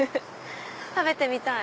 食べてみたい。